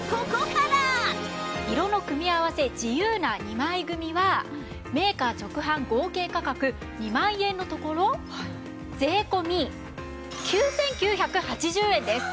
色の組み合わせ自由な２枚組はメーカー直販合計価格２万円のところ税込９９８０円です。